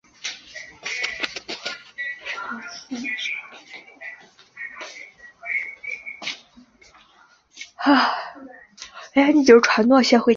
这个词尚未有具体的法律定义。